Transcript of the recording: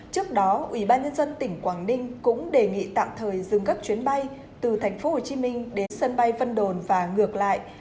trước đó ubnd tỉnh quảng ninh cũng đề nghị tạm thời dừng các chuyến bay từ thành phố hồ chí minh đến sân bay vân đồn và ngược lại